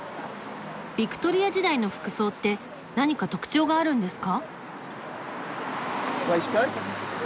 ビクトリア時代の服装って何か特徴があるんですか？